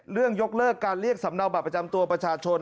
ยกเลิกการเรียกสำเนาบัตรประจำตัวประชาชน